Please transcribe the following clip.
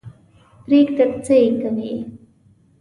پرېږده څه یې کوې.